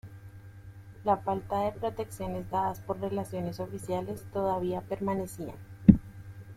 La falta de protecciones dadas por relaciones oficiales todavía permanecían.